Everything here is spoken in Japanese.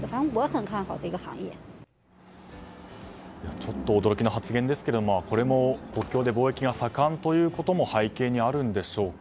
ちょっと驚きの発言ですけどこれも国境で貿易がさかんということが背景にあるんでしょうか。